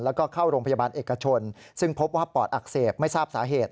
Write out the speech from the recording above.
แล้วก็เข้าโรงพยาบาลเอกชนซึ่งพบว่าปอดอักเสบไม่ทราบสาเหตุ